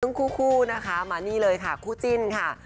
ซึ่งคู่นะคะมานี่เลยค่ะคู่จิ้นค่ะ